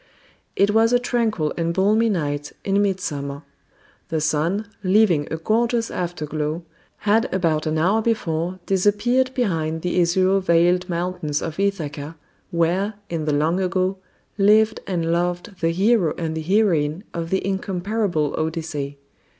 It was a tranquil and balmy night in midsummer. The sun, leaving a gorgeous afterglow, had about an hour before disappeared behind the azure veiled mountains of Ithaca, where, in the long ago, lived and loved the hero and the heroine of the incomparable Odyssey.